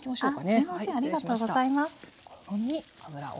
すみませんありがとうございます。